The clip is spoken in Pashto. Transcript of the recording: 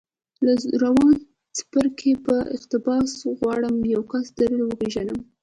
له روان څپرکي په اقتباس غواړم یو کس در وپېژنم